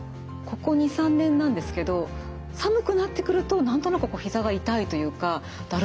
ここ２３年なんですけど寒くなってくると何となくひざが痛いというかだるさを感じます。